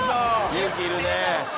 勇気いるね。